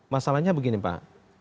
masalahnya begini pak